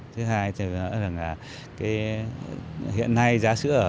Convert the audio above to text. thứ hai là hiện nay giá sữa